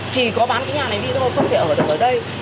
chỉ có bán cái nhà này đi thôi không thể ở được ở đây